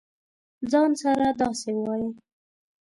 ځـان سره داسې وایې.